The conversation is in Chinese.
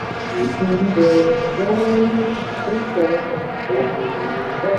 大圆颌针鱼为颌针鱼科圆颌针鱼属的鱼类。